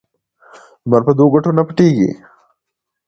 لمر په دوو ګوتو نه پوټیږی.